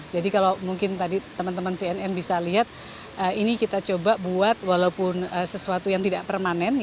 jadi kalau mungkin tadi teman teman cnn bisa lihat ini kita coba buat walaupun sesuatu yang tidak permanen